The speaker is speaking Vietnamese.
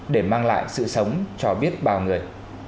để mang lại sự sống cho biết bao người